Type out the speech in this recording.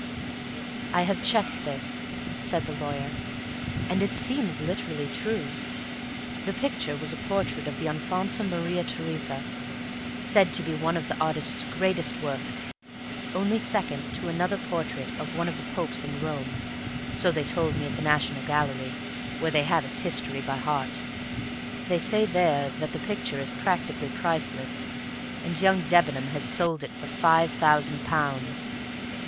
I have checked this," said the lawyer, "and it seems literally true; the picture was a portrait of the Infanta Maria Teresa, said to be one of the artist's greatest works, second only to another portrait of one of the Popes in Rome so they told me at the National Gallery, where they had its history by heart. They say there that the picture is practically priceless. And young Debenham has sold it for five thousand pounds!"